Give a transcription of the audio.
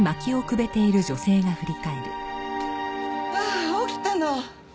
ああ起きたの。